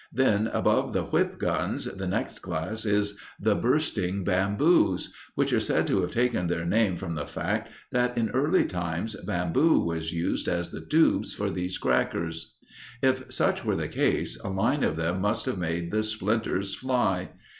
Then above the whip guns the next class is the "bursting bamboos," which are said to have taken their name from the fact that in early times bamboo was used as the tubes for these crackers. If such were the case, a line of them must have "made the splinters fly."